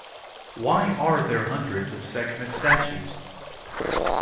Why are there hundreds of Sekhmet statues?